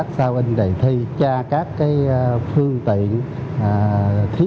trung tâm y tế